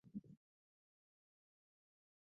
কৃষ্ণদয়াল গোরাকে কী যে জবাব দিবেন হঠাৎ ভাবিয়া পাইলেন না।